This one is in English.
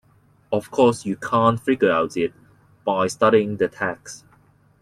Of course you can't figure it out by studying the text.